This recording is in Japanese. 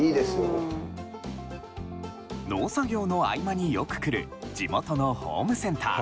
農作業の合間によく来る地元のホームセンター